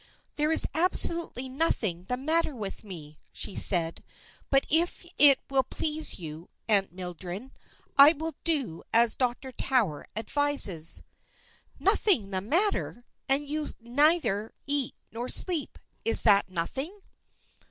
"There is absolutely nothing the matter with me," she said, "but if it will please you, Aunt Mildred, I will do as Dr. Tower advises." "Nothing the matter! And you neither eat nor sleep! Is that nothing?"